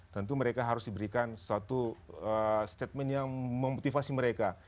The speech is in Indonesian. tentu mereka harus diberikan suatu statement yang memotivasi mereka